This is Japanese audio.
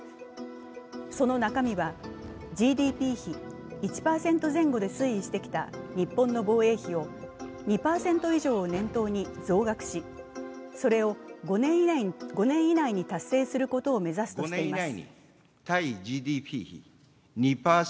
その中身はＧＤＰ比１％前後で推移してきた日本の防衛費を２％以上を念頭に増額し、それを５年以内に達成することを目指すとしています。